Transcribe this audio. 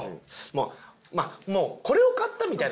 もうまあこれを買ったみたいな。